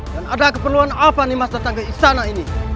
dan ada keperluan apa nih masa datang ke istana ini